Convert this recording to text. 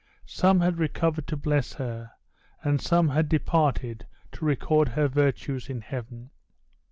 Some had recovered to bless her, and some had departed to record her virtues in heaven.